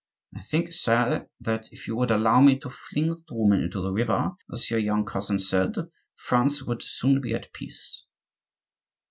"I think, sire, that if you would allow me to fling that woman into the river, as your young cousin said, France would soon be at peace."